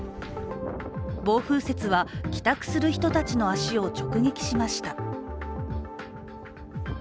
暴風雪は帰宅する人たちの足を直撃しました。